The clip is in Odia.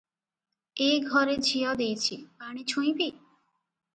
ଏ ଘରେ ଝିଅ ଦେଇଛି, ପାଣି ଛୁଇଁବି?